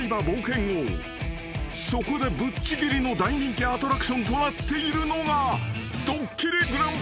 ［そこでぶっちぎりの大人気アトラクションとなっているのが］